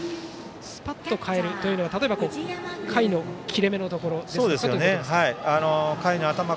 スパッと代えるというのは例えば、回の切れ目のところ。